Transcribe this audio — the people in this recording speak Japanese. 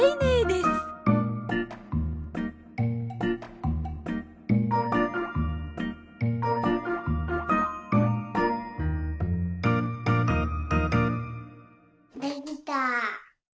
できた！